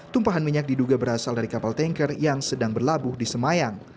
tumpahan minyak diduga berasal dari kapal tanker yang sedang berlabuh di semayang